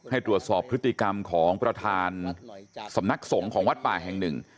ให้ตรวจสอบพฤติกรรมของประธานสำนักสงฆ์ของวัดป่าแห่งหนึ่ง